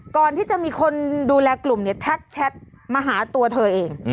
ก่อนที่จะมีคนดูแลกลุ่มเนี่ยทักแชทมาหาตัวเธอเอง